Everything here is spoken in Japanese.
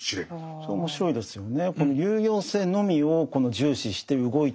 それ面白いですよね。